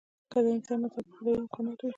که د انسان نظر په خدايي امکاناتو وي.